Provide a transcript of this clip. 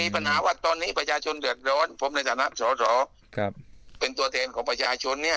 เป็นตัวเองของประชาชนนี้